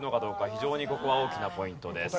非常にここは大きなポイントです。